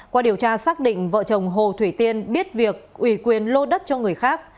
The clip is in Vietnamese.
qua điều tra xác định vợ chồng hồ thủy tiên biết việc ủy quyền lô đất cho người khác